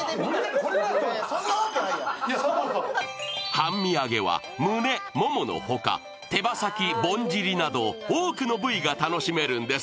半身揚げは胸、モモのほか、手羽先、ぼんじりなど多くの部位が楽しめるんです。